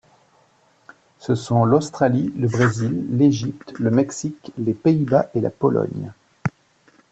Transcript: Ce sont l'Australie, le Brésil, l'Égypte, le Mexique, les Pays-Bas et la Pologne.